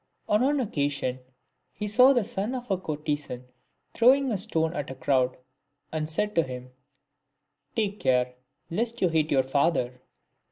On one occasion he saw the son of a courtesan throwing a stoue at a crowd, and said to him, " Take care, lest you hit your father."